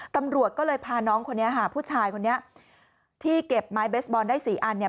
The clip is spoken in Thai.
ตำรวจก็เลยพาน้องคนนี้ค่ะผู้ชายคนนี้ที่เก็บไม้เบสบอลได้สี่อันเนี่ย